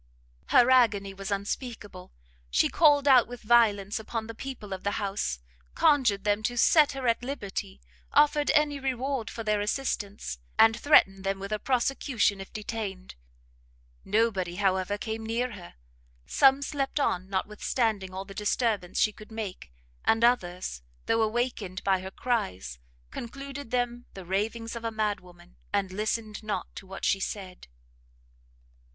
Her agony was unspeakable; she called out with violence upon the people of the house, conjured them to set her at liberty, offered any reward for their assistance, and threatened them with a prosecution if detained. Nobody, however, came near her: some slept on notwithstanding all the disturbance she could make, and others; though awakened by her cries, concluded them the ravings of a mad woman, and listened not to what she said.